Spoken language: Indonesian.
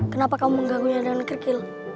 kenapa kamu mengganggu dia dengan kirkil